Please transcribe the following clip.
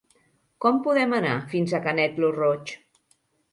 Com podem anar fins a Canet lo Roig?